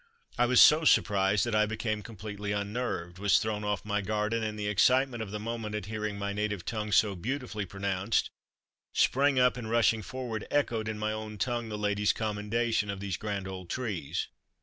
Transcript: I was so surprised that I became completely unnerved, was thrown off my guard, and, in the excitement of the moment, at hearing my native tongue so beautifully pronounced, sprang up, and rushing forward echoed in my own tongue the lady's commendation of those grand old trees.